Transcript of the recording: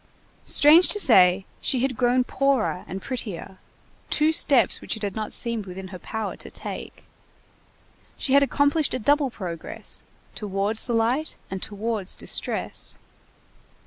Strange to say, she had grown poorer and prettier, two steps which it had not seemed within her power to take. She had accomplished a double progress, towards the light and towards distress.